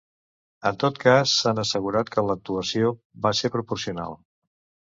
En tot cas, han assegurat que l’actuació va ser proporcional.